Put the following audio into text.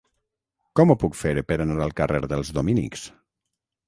Com ho puc fer per anar al carrer dels Dominics?